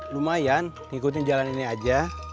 lumayan ngikutin jalan ini aja